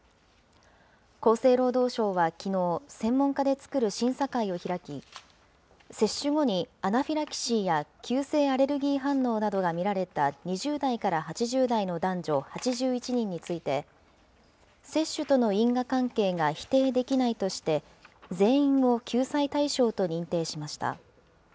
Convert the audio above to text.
厚生労働省はきのう、専門家で作る審査会を開き、接種後にアナフィラキシーや急性アレルギー反応などが見られた２０代から８０代の男女８１人について、接種との因果関係が否定できないとして、全員を救済対象と認定しました。